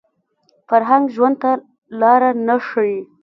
فرهنګ ژوند ته لاره نه ښيي